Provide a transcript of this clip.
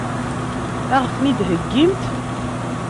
Ad ɣ-ten-id-heggimt?